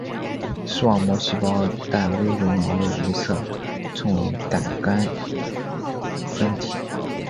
视网膜细胞带微绒毛的一侧称为感杆分体。